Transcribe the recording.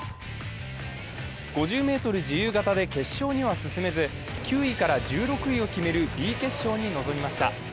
５０ｍ自由形で決勝には進めず９位から１６位を決めるＢ決勝に臨みました。